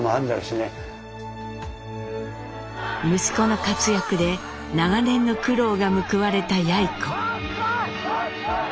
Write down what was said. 息子の活躍で長年の苦労が報われたやい子。